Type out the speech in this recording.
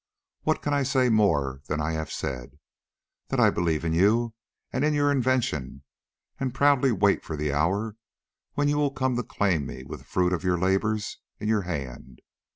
What can I say more than I have said? That I believe in you and in your invention, and proudly wait for the hour when you will come to claim me with the fruit of your labors in your hand.